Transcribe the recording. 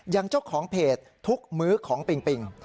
ยังเจ้าของเพจทุกมื้อของปิ่ง